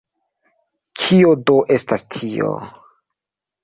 Kio do estas tio?